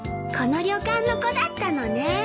この旅館の子だったのね。